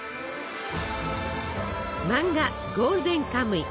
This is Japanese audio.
漫画「ゴールデンカムイ」。